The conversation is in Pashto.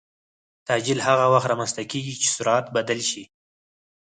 تعجیل هغه وخت رامنځته کېږي چې سرعت بدل شي.